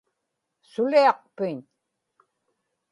suliaqpiñ